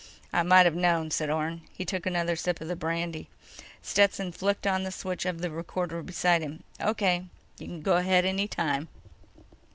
"I might've known," said Orne. He took another sip of the brandy. Stetson flicked on the switch of a recorder beside him. "O.K. You can go ahead any time."